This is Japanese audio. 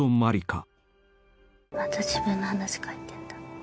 「また自分の話書いてんだ？」